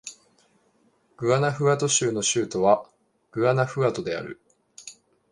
グアナフアト州の州都はグアナフアトである